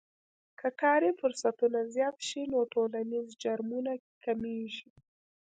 که کاري فرصتونه زیات شي نو ټولنیز جرمونه کمیږي.